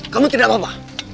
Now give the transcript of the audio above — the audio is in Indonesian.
kamu tidak apa apa